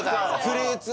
フルーツ